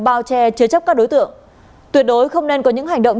bao che chứa chấp các đối tượng tuyệt đối không nên có những hành động